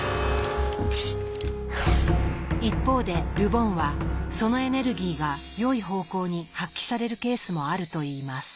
一方でル・ボンはそのエネルギーが良い方向に発揮されるケースもあるといいます。